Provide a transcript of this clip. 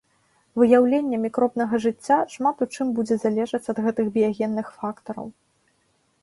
Выяўленне мікробнага жыцця шмат у чым будзе залежаць ад гэтых біягенных фактараў.